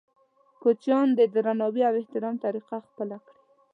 کوچنیان دې د درناوي او احترام طریقه خپله کړي.